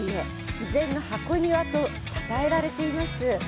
「自然の箱庭」と称えられています。